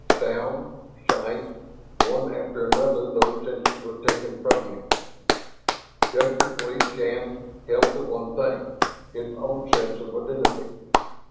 Sound, sight one after another those senses were taken from him. Desperately Shann held to one thing, his own sense of identity.